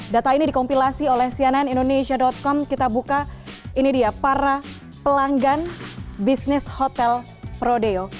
data ini dikompilasi oleh cnn indonesia com kita buka ini dia para pelanggan bisnis hotel prodeo